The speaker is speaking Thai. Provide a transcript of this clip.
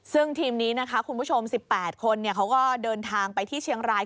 ซึ่งทีมนี้นะคะคุณผู้ชม๑๘คนเขาก็เดินทางไปที่เชียงราย